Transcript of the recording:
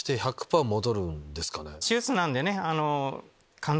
手術なんでね。